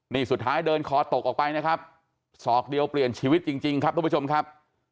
นี่สุดท้ายเดินคอตกออกไปนะครับศอกเดียวเปลี่ยนชีวิตจริงครับทุกผู้ชมครับ